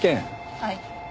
はい。